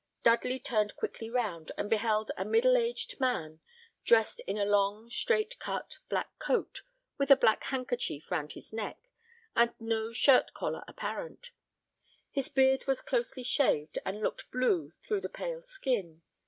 Dudley turned quickly round, and beheld a middle aged man, dressed in a long, straight cut black coat, with a black handkerchief round his neck, and no shirt collar apparent. His beard was closely shaved, and looked blue through the pale skin.